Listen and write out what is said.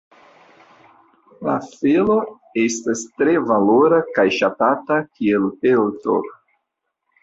La felo estas tre valora kaj ŝatata kiel pelto.